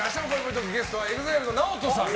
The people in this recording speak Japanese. トークゲストはＥＸＩＬＥのＮＡＯＴＯさん。